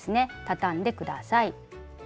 たたんで下さい。